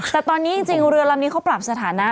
แต่ตอนนี้จริงเรือลำนี้เขาปรับสถานะ